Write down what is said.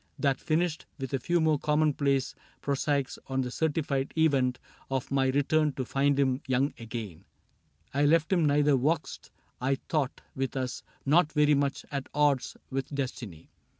That finished — with a few more commonplace Prosaics on the certified event Of my return to find him young again — I left him neither vexed, I thought, with us, Nor very much at odds with destiny.